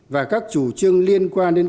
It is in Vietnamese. và các chủ trương liên quan đến các hội đồng